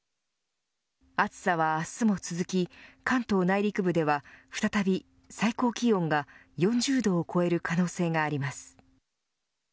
暑さは明日も続き関東内陸部では再び最高気温が４０度を超える可能性があります。